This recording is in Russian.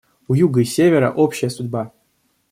У Юга и Севера общая судьба.